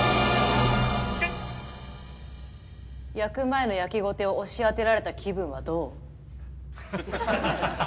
焼く前の焼きごてを押し当てられた気分はどう？